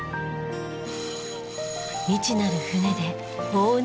未知なる船で大海原へ。